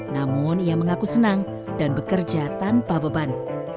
namun ia mengaku senang dan bekerja tanpa beban